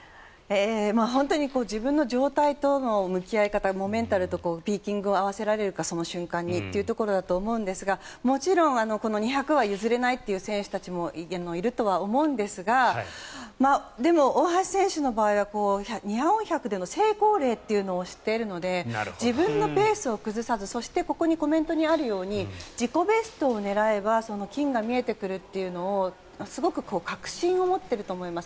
本当に自分の状態との向き合い方メンタルとピーキングを合わせられるかその瞬間にというところだと思うんですがもちろん２００ｍは譲れないという選手たちもいるとは思うんですがでも、大橋選手の場合は４００ｍでの成功例を知っているので自分のペースを崩さずそしてここにコメントにあるように自己ベストを狙えば金が見えてくるというのをすごく確信を持っていると思います。